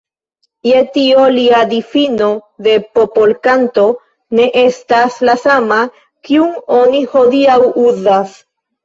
Je tio lia difino de popolkanto ne estas la sama, kiun oni hodiaŭ uzas.